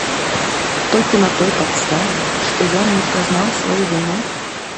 Толькі на той падставе, што ён не прызнаў сваю віну?